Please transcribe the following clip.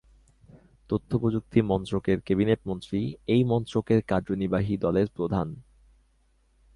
তথ্যপ্রযুক্তি মন্ত্রকের ক্যাবিনেট মন্ত্রী এই মন্ত্রকের কার্যনির্বাহী দলের প্রধান।